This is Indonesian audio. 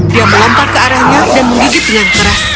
dia melompat ke arahnya dan menggigit dengan keras